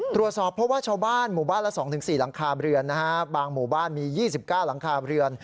ตรวจสอบเพราะว่าชาวบ้านหมู่บ้านละสองถึงสี่หลังคาเบือนนะฮะบางหมู่บ้านมียี่สิบเก้าหลังคาเบือน